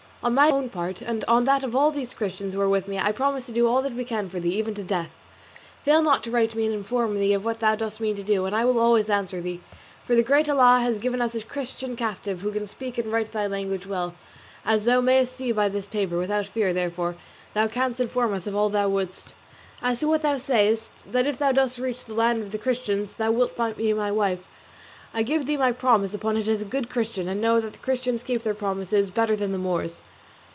On my own part, and on that of all these Christians who are with me, I promise to do all that we can for thee, even to death. Fail not to write to me and inform me what thou dost mean to do, and I will always answer thee; for the great Allah has given us a Christian captive who can speak and write thy language well, as thou mayest see by this paper; without fear, therefore, thou canst inform us of all thou wouldst. As to what thou sayest, that if thou dost reach the land of the Christians thou wilt be my wife, I give thee my promise upon it as a good Christian; and know that the Christians keep their promises better than the Moors.